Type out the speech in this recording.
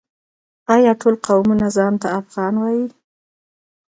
آیا ټول قومونه ځان ته افغان وايي؟